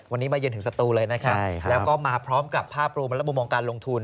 วันนี้มาเย็นถึงสตูเลยนะครับแล้วก็มาพร้อมกับภาพรวมและมุมมองการลงทุน